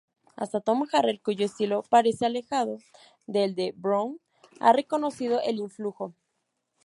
Hasta Tom Harrell, cuyo estilo parece alejado del de Brown, ha reconocido el influjo.